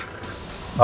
kamu mau kemana sayang